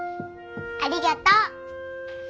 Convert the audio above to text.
ありがとう。